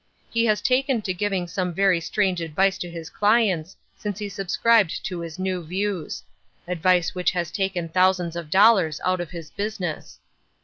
He has taken to giving some very strange advice to his clients since he sub scribed to his new views — advice which has taken thousands of dollars out of bis business.